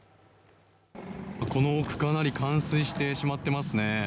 この区間、かなり冠水してしまっていますね。